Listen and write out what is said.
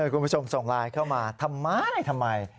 คุณผู้ชมส่งไลน์เข้ามาทำไมทำไม